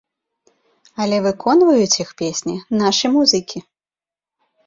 Але выконваюць іх песні нашы музыкі.